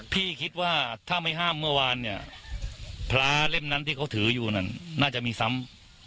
พี่คิดว่าถ้าไม่ห้ามเมื่อวานเนี่ยพระเล่มนั้นที่เขาถืออยู่นั่นน่าจะมีซ้ำ